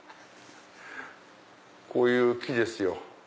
こういう木ですよ。